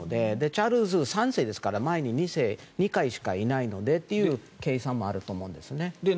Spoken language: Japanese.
チャールズ３世ですから前に２世、２回しかいないのでという計算もあると思うんですよね。